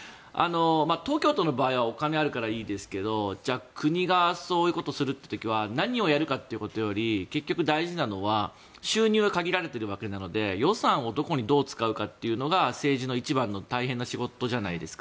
東京都の場合はお金があるからいいですけどじゃあ、国がそういうことをするという時は何をやるかということより結局、大事なのは収入は限られてるわけなので予算をどこにどう使うかというのが政治の一番の大変な仕事じゃないですか。